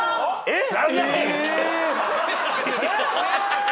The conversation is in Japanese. えっ？